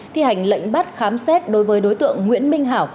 thi hành lệnh bắt khám xét đối với đối tượng nguyễn minh hảo